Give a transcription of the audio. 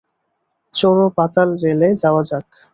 চরো পাতাল রেলে যাওয়া যাক।